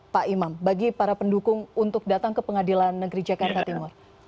pak imam bagi para pendukung untuk datang ke pengadilan negeri jakarta timur